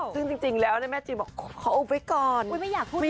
ซึ่งจริงจริงแล้วเนี้ยแม่จินบอกขออุ๊บไว้ก่อนไม่อยากพูดเลย